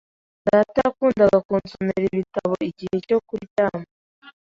Data yakundaga kunsomera ibitabo igihe cyo kuryama .